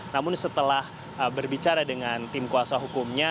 namun setelah berbicara dengan tim kuasa hukumnya